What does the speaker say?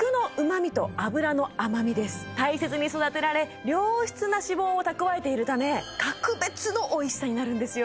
大切に育てられ良質な脂肪を蓄えているため格別のおいしさになるんですよ